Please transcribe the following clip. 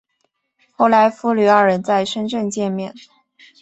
后来父女二人在深圳见面。